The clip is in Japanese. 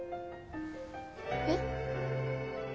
えっ？